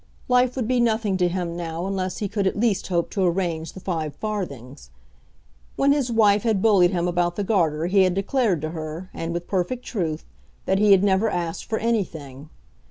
Life would be nothing to him now unless he could at least hope to arrange the five farthings. When his wife had bullied him about the Garter he had declared to her, and with perfect truth, that he had never asked for anything.